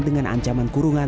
dengan ancaman kurungan